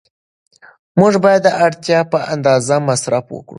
موږ باید د اړتیا په اندازه مصرف وکړو.